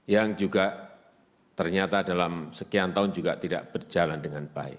yang juga ternyata dalam sekian tahun juga tidak berjalan dengan baik